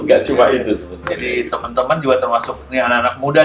jadi teman teman juga termasuk anak anak muda